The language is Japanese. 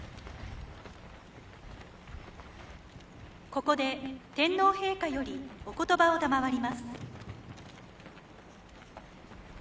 ここで天皇陛下よりおことばを賜ります。